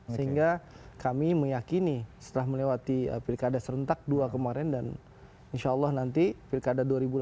sehingga kami meyakini setelah melewati pilkada serentak dua kemarin dan insya allah nanti pilkada dua ribu delapan belas